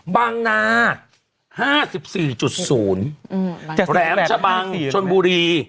บางนาดห้าสิบสี่จุดศูนย์อืมแหลมชะบังชลบุรี